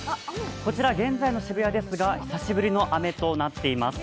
こちら現在の渋谷ですが久しぶりの雨となっています。